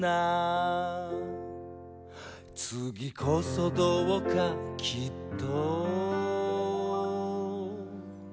「次こそどうかきっと」